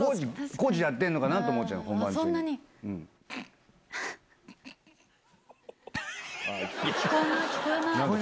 工事やってんのかなと思っちゃう、そんなに？